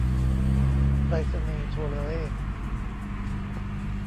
ไปรษณีย์โทรเลข